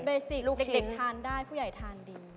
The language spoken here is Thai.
เด็กทานได้ผู้ใหญ่ทานดี